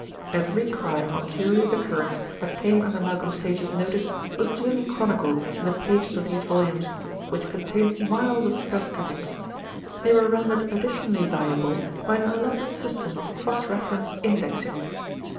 Every crime or curious occurrence that came under Malcolm Sage's notice was duly chronicled in the pages of these volumes, which contained miles of press cuttings. They were rendered additionally valuable by an elaborate system of cross reference indexing.